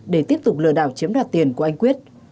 để tiếp tục lừa đảo chiếm đoạt tiền của anh quyết